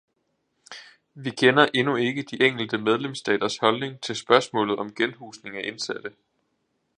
Vi kender endnu ikke de enkelte medlemsstaters holdning til spørgsmålet om genhusning af indsatte.